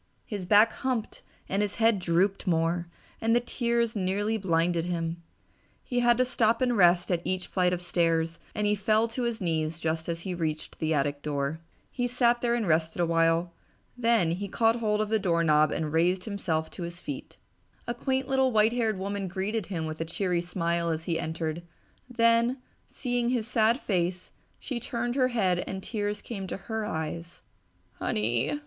His back humped and his head drooped more, and the tears nearly blinded him. He had to stop and rest at each flight of stairs and he fell to his knees just as he reached the attic door. He sat there and rested awhile, then caught hold of the doorknob and raised himself to his feet. A quaint little white haired woman greeted him with a cheery smile as he entered, then, seeing his sad face, she turned her head and tears came to her eyes. "Honey!"